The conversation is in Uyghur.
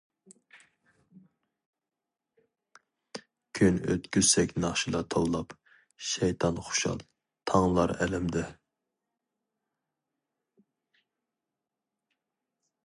كۈن ئۆتكۈزسەك ناخشىلا توۋلاپ، شەيتان خۇشال، تاڭلار ئەلەمدە.